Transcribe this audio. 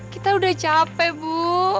kita udah capek bu